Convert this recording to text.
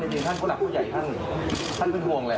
จริงท่านผู้หลักผู้ใหญ่ท่านเป็นห่วงแหละ